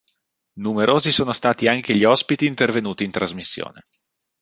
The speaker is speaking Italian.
Numerosi sono stati anche gli ospiti intervenuti in trasmissione.